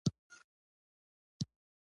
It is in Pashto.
• د ورځې خوښي د ژوند برخه ده.